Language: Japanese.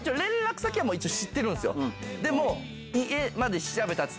でも。